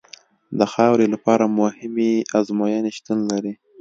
د خاورې لپاره مهمې ازموینې شتون لري